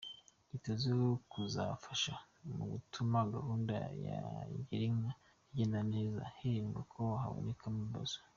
Yitezweho kuzafasha mu gutuma gahunda ya Girinka igenda neza, hirindwa ko habonekamo ibibazo.